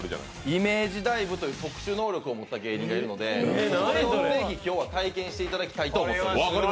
イメージダイブという特殊能力を持った芸人がいるのでそれをぜひ今日は体験していただきたいと思っております。